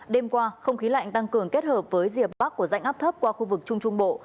đêm qua không khí lạnh tăng cường kết hợp với rìa bắc của rãnh áp thấp qua khu vực trung trung bộ